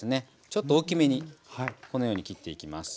ちょっと大きめにこのように切っていきます。